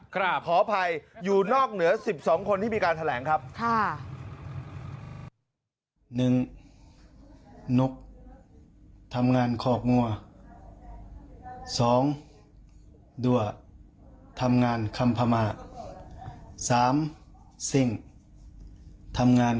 กราบขออภัยอยู่นอกเหนือ๑๒คนที่มีการแถลงครับ